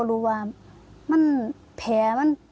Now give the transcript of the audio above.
หวังหวังแน่กัน